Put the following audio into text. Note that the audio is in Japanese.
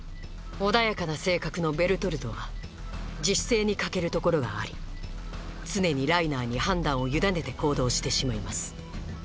穏やかな性格のベルトルトは自主性に欠けるところがあり常にライナーに判断を委ねて行動してしまいます。